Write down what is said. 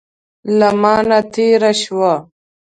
له مانه تېره شوه.